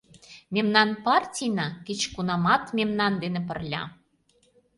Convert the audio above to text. Мемнан партийна — кеч-кунамат мемнан ден пырля!